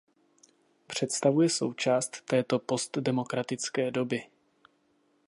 Představuje součást této postdemokratické doby.